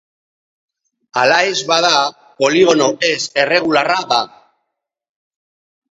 Hala ez bada, poligono ez erregularra da.